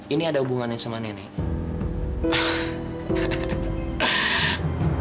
ini ada hubungannya sama nenek